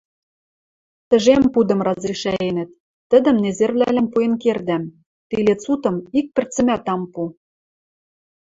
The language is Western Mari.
— Тӹжем пудым разрешӓенӹт, тӹдӹм незервлӓлӓн пуэн кердӓм, тилец утым ик пӹрцӹмӓт ам пу!